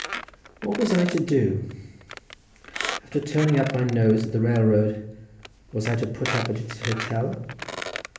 What was I to do? after turning up my nose at the railroad, was I to put up at its hotel?